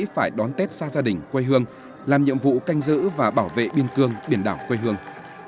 phải đón tết xa gia đình quê hương làm nhiệm vụ canh giữ và bảo vệ biên cương biển đảo quê hương